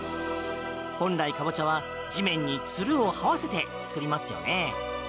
本来、カボチャは地面にツルをはわせて作りますよね。